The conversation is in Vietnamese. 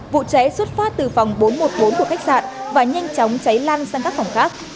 vụ cháy xuất phát từ phòng bốn trăm một mươi bốn của khách sạn và nhanh chóng cháy lan sang các phòng khác